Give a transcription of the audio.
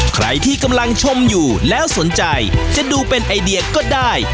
ใครที่กำลังชมอยู่แล้วสนใจจะดูเป็นไอเดียก็ได้